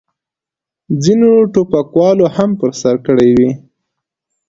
ځینو ټوپکوالو هم په سر کړې وې.